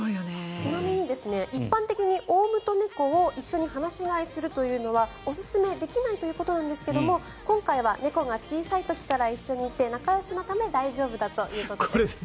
一般的にオウムと猫を一緒に放し飼いするというのはおすすめできないということなんですが今回は猫が小さい時から一緒にいて仲よしのため大丈夫だということです。